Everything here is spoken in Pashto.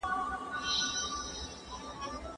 لکه څنګه چي ئې تر دغه مخکي ستا پلرونو ته ورکړي وه.